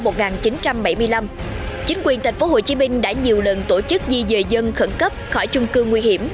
trong năm một nghìn chín trăm bảy mươi năm chính quyền thành phố hồ chí minh đã nhiều lần tổ chức di dời dân khẩn cấp khỏi chung cư nguy hiểm